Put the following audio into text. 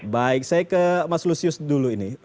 baik saya ke mas lusius dulu ini